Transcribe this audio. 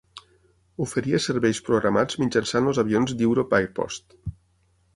Oferia serveis programats mitjançant els avions d'Europe Airpost.